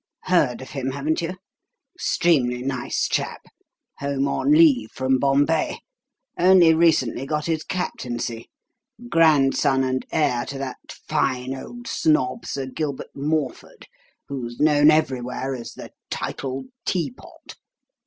Heard of him, haven't you? Extremely nice chap. Home on leave from Bombay. Only recently got his captaincy. Grandson and heir to that fine old snob, Sir Gilbert Morford, who's known everywhere as 'The Titled Teapot.'